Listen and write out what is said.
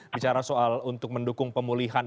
bicara soal untuk mendukung pemulihan